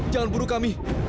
jangan bunuh kami